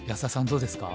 どうですか？